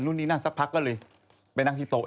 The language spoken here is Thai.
นู่นนี่นั่งสักพักก็เลยไปนั่งที่โต๊ะ